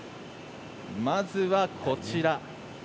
まずは、こちらです。